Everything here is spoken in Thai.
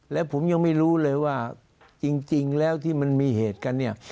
และผมยังไม่รู้เลยว่าจริงแล้วที่มันมีเหตุกันเนี่ย